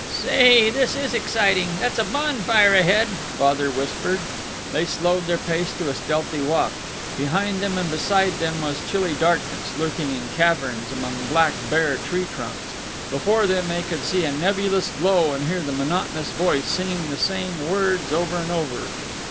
"Say, this is exciting. That's a bonfire ahead," Father whispered. They slowed their pace to a stealthy walk. Behind them and beside them was chilly darkness lurking in caverns among black, bare tree trunks. Before them they could see a nebulous glow and hear the monotonous voice singing the same words over and over.